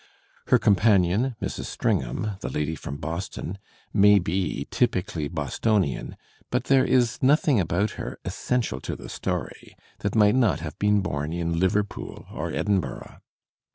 Her companion, Mrs. Stringham, the lady jErom Boston, may be "typically" Bostonian; but there is nothing about her, essential to the story, that might not have been bom in Liverpool or Edin burgh.